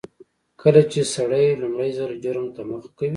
کله چې سړی لومړي ځل جرم ته مخه کوي.